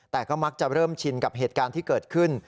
แต่ก็มักจะเริ่มชินกับเหตุการณ์ที่เกิดขึ้น